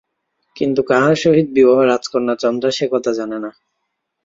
কিন্তু কাহার সহিত বিবাহ রাজকন্যা চন্দ্রা সে কথা জানেন না।